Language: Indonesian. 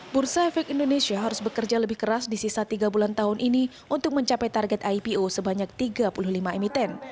bursa efek indonesia harus bekerja lebih keras di sisa tiga bulan tahun ini untuk mencapai target ipo sebanyak tiga puluh lima emiten